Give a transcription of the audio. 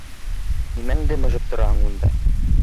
— Нимәңде мыжып тораһың унда!